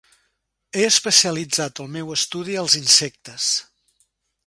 He especialitzat el meu estudi als insectes.